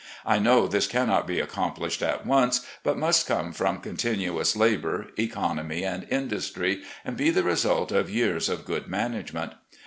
I know this cannot be accomplished at once, but must come from continuous labour, economy, and industry, and be the result of years of good management.